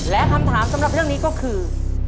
และคำถามสำหรับเรื่องนี้ก็คือ